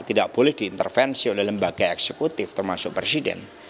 tidak boleh diintervensi oleh lembaga eksekutif termasuk presiden